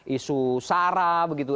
isu sara begitu